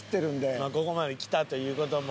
まあここまで来たという事も。